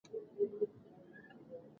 دغه دواړه کلمې په لیکلو کې یو شان دي.